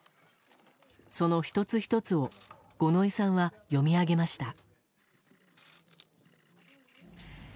その１つ１つを五ノ井さんは読み上げました。